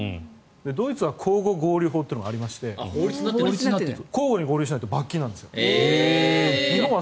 ドイツは交互合流法というのがありまして交互に合流しないと罰金なんです。